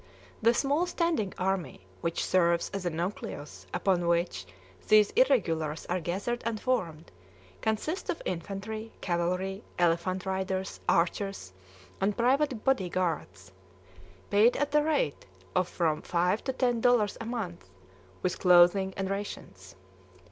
The small standing army, which serves as the nucleus upon which these irregulars are gathered and formed, consists of infantry, cavalry, elephant riders, archers, and private body guards, paid at the rate of from five to ten dollars a month, with clothing and rations.